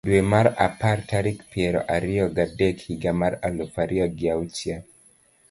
dwe mar apar tarik piero ariyo ga dek higa mar aluf ariyo gi auchiel ,